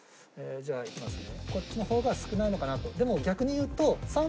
じゃあ引きますね。